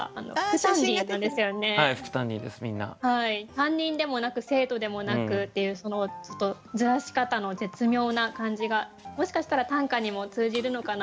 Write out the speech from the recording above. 担任でもなく生徒でもなくっていうそのずらし方の絶妙な感じがもしかしたら短歌にも通じるのかなと思いました。